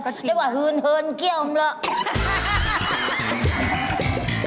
เรียกว่าเฮินเฮินเกลี้ยวเหมือนกัน